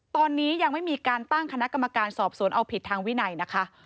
ตอนนี้ยังไม่มีการตั้งคณะกรรมการสอบสวนเอาผิดทางวินัยนะคะ